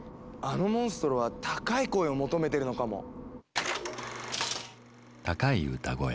あのモンストロは高い声を求めてるのかも。